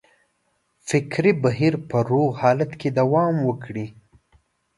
فکري بهیر په روغ حالت کې دوام وکړي.